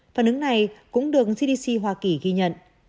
phản ứng này cũng được cdc hoa kỳ ghi nhận